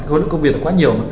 hôm đó công việc quá nhiều